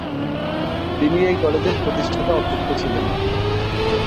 তিনি এই কলেজের প্রতিষ্ঠাতা অধ্যক্ষ ছিলেন।